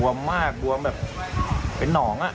วมมากบวมแบบเป็นหนอง